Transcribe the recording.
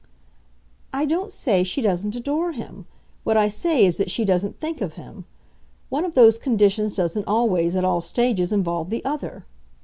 "I don't say she doesn't adore him. What I say is that she doesn't think of him. One of those conditions doesn't always, at all stages, involve the other.